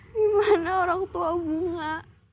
dimana orang tua bunga